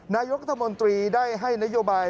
นายกรัฐมนตรีได้ให้นโยบาย